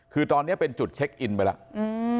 คือตอนนี้เป็นจุดเช็คอินไปแล้ว